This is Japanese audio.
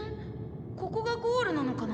ここがゴールなのかな？